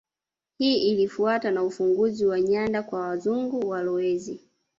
Hii ilifuatwa na ufunguzi wa nyanda kwa Wazungu walowezi